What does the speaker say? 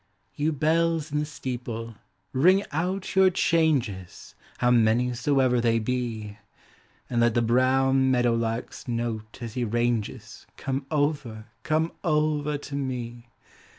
Yor bells in the steeple, ring out your changes, How many soever they be. And let the brown meadow lark's note as he ranges Come over, come over to me.